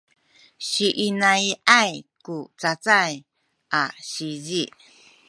siinai’ay ku cacay a sizi